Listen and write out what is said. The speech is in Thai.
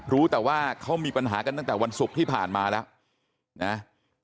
รู้แต่ว่าเขามีปัญหากันตั้งแต่วันศุกร์ที่ผ่านมาแล้วนะ